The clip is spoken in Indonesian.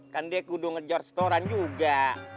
kan dia kudung ngejor setoran juga